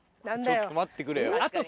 ちょっと待ってくれよ。